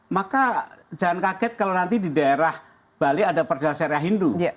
maka jangan kaget kalau nanti di daerah bali ada perda serah hindu